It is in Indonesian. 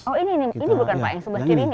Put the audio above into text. oh ini ini bukan pak yang sebelah kiri ini